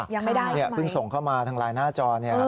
ยังไม่ได้หรือเปล่าคุณผู้ชมส่งเข้ามาทางไลน์หน้าจอ